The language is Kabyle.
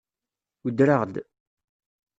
Udreɣ-d.